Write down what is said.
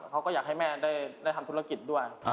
เขาก็อยากให้แม่ได้ทำธุรกิจด้วย